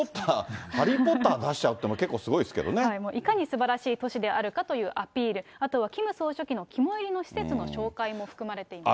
ハリー・ポッター出しちゃうっていうのも結構すごいですけどいかにすばらしい都市であるかというアピール、あとはキム総書記の肝いりの施設の紹介も含まれています。